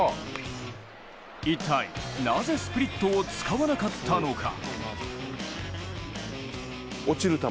一体、なぜスプリットを使わなかったのか。